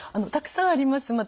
たくさんあります。